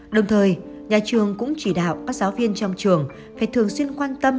đồng thời nhà trường cũng chỉ đạo các giáo viên trong trường phải thường xuyên quan tâm